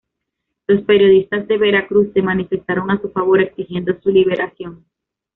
Los periodistas de Veracruz se manifestaron a su favor exigiendo su liberación.